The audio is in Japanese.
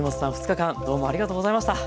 ２日間どうもありがとうございました。